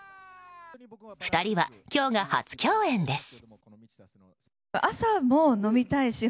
２人は今日が初共演です。